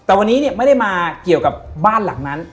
แต่วันนี้เนี่ยไม่ได้มาเกี่ยวกับบ้านหลังนั้น